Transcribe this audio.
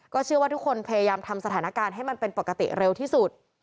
เชื่อว่าทุกคนพยายามทำสถานการณ์ให้มันเป็นปกติเร็วที่สุด